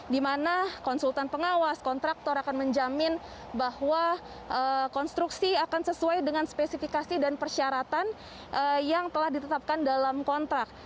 di mana konsultan pengawas kontraktor akan menjamin bahwa konstruksi akan sesuai dengan spesifikasi dan persyaratan yang telah ditetapkan dalam kontrak